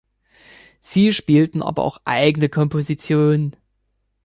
Sie spielten aber auch eigene Kompositionen.